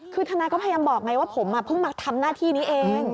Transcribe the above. คือทนายก็พยายามบอกไงว่าผมเพิ่งมาทำหน้าที่นี้เอง